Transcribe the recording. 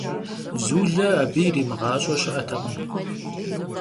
Zule abı yirimığaş'e şı'etekhım.